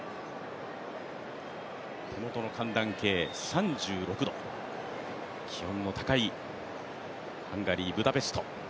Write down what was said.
手元の寒暖計３６度、気温の高いハンガリー・ブダペスト。